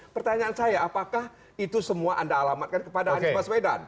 pertanyaan saya apakah itu semua anda alamatkan kepada anies baswedan